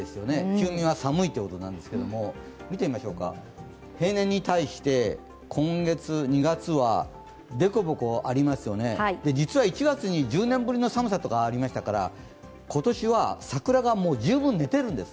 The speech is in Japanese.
休眠は寒いということなんですけれども、平年に対して今月２月はでこぼこありますよね、実は１月に１０年ぶりの寒さとかありましたから今年は桜が十分寝ているんです。